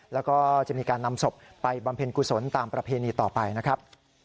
แล้วก็จะมีการนำศพไปบำเพ็ญกุศลตามประเพณีต่อไปนะครับ